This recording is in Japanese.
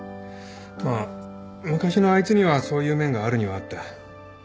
まあ昔のあいつにはそういう面があるにはあった。